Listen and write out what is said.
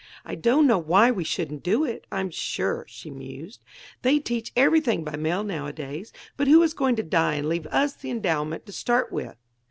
"I don't know why we shouldn't do it, I'm sure," she mused. "They teach everything by mail nowadays. But who is going to die and leave us the endowment to start with?"